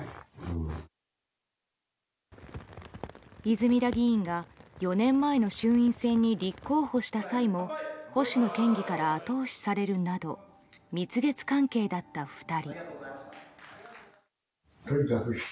泉田議員が４年前の衆院選に立候補した際も星野県議から後押しされるなど蜜月関係だった２人。